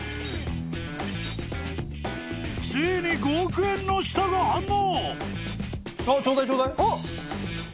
［ついに５億円の舌が反応！］